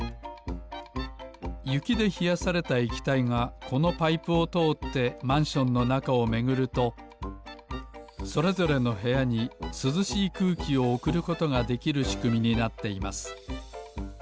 ゆきでひやされたえきたいがこのパイプをとおってマンションのなかをめぐるとそれぞれのへやにすずしいくうきをおくることができるしくみになっています